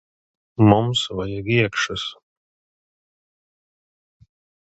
Mums vajag iekšas.